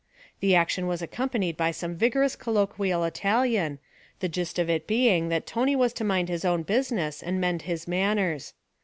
The action was accompanied by some vigorous colloquial Italian the gist of it being that Tony was to mind his own business and mend his manners.